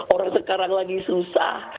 orang sekarang lagi susah